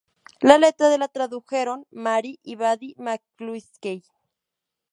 La letra de la tradujeron Mary y Buddy McCluskey.